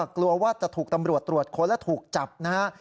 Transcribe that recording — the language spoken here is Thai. กลัวว่าจะถูกตำรวจตรวจค้นและถูกจับนะฮะ